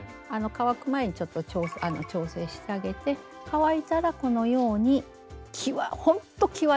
乾く前にちょっと調整してあげて乾いたらこのようにきわほんときわです。